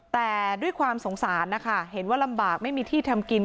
แต่ด้วยความสงสารนะคะเห็นว่าลำบากไม่มีที่ทำกิน